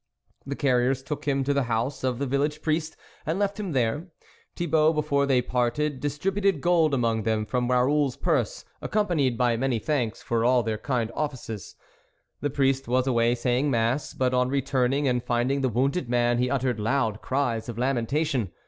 The carriers took him to the house of the village priest, and left him there, Thibault before they parted, dis tributing gold among them from Raoul's purse, accompanied by many thanks for all their kind offices. The priest was away saying mass, but on returning and finding the wounded man, he uttered loud cries of lamentation.